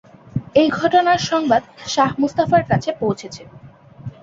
এই ঘটনার সংবাদ শাহ মুস্তাফার কাছে পৌঁছেছে।